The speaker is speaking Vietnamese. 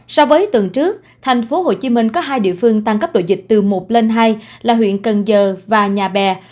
so với tuần trước tp hcm có hai địa phương tăng cấp độ dịch từ một lên hai là huyện cần giờ và nhà bè